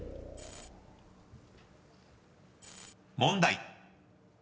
［問題］